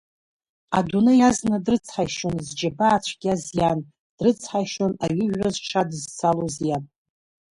Адунеи азна дрыцҳаишьон зџьабаа цәгьаз иан, дрыцҳаишьон аҩыжәра зҽадызцалоз иаб.